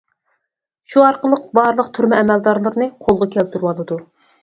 شۇ ئارقىلىق بارلىق تۈرمە ئەمەلدارلىرىنى قولغا كەلتۈرۈۋالىدۇ.